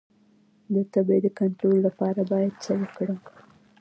د تبې د کنټرول لپاره باید څه وکړم؟